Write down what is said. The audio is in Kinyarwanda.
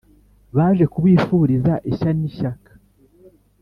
baje kubifuriza ishya n’ishyaka